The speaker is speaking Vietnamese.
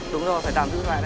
đúng rồi phải tạm giữ lại